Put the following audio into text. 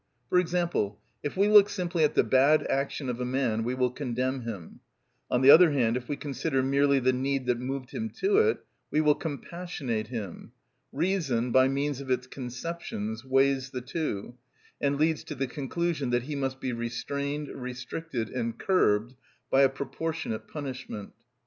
For example, if we look simply at the bad action of a man we will condemn him; on the other hand, if we consider merely the need that moved him to it, we will compassionate him: reason, by means of its conceptions, weighs the two, and leads to the conclusion that he must be restrained, restricted, and curbed by a proportionate punishment.